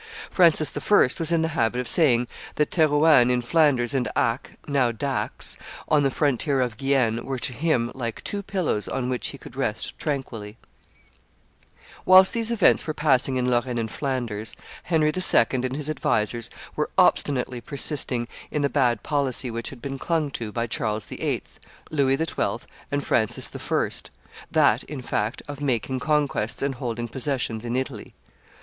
Francis I. was in the habit of saying that Therouanne in Flanders and Acqs (now Dax) on the frontier of Guienne were, to him, like two pillows on which he could rest tranquilly. [Histoire universelle, t. ii. p. 352.] Whilst these events were passing in Lorraine and Flanders, Henry II. and his advisers were obstinately persisting in the bad policy which had been clung to by Charles VIII., Louis XII., and Francis I., that, in fact, of making conquests and holding possessions in Italy.